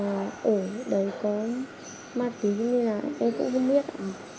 mà tuy nhiên là em cũng không biết ạ